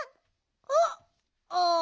あっああ。